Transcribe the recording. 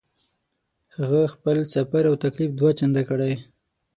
هغه خپل سفر او تکلیف دوه چنده کړی.